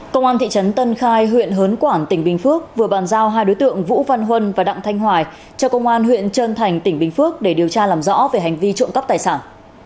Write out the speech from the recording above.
công an thị trấn tân khai huyện hớn quản tỉnh bình phước vừa bàn giao hai đối tượng vũ văn huân và đặng thanh hoài cho công an huyện trơn thành tỉnh bình phước để điều tra làm rõ về hành vi trộm cắp tài sản